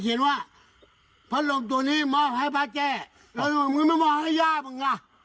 เขียนว่าพระโรมตัวนี้มอบให้พระเจ้าแล้วมึงไม่มอบให้ย่ามึงล่ะ